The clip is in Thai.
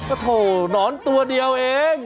โอ้โหหนอนตัวเดียวเอง